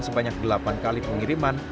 sebanyak delapan kali pengiriman